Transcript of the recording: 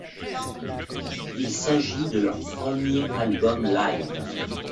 Il s'agit de leur premier album live.